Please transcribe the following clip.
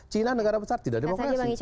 cina negara besar tidak demokrasi